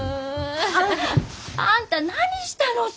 あんたあんた何したのさ！？